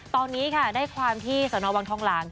ตอนนี้ค่ะได้ความที่สนวังทองหลาง